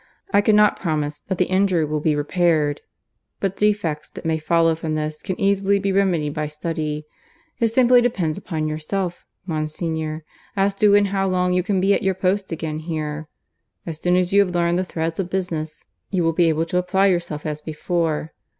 I cannot promise that the injury will be repaired; but defects that may follow from this can easily be remedied by study. It simply depends upon yourself, Monsignor, as to in how long you can be at your post again here. As soon as you have learned the threads of business, you will be able to apply yourself as before.